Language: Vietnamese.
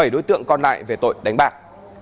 bảy đối tượng còn lại về tội đánh bạc